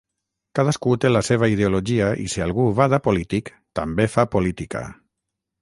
Cadascú té la seva ideologia i si algú va d’apolític també fa política.